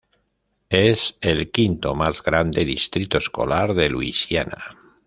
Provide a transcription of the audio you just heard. Es el quinto más grande distrito escolar de Luisiana.